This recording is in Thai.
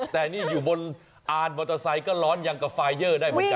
แต่นี่อยู่บนอ่านมอเตอร์ไซค์ก็ร้อนอย่างกับไฟเยอร์ได้เหมือนกัน